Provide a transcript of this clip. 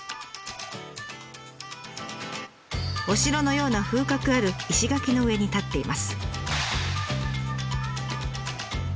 お城のような風格ある石垣の上に立っています。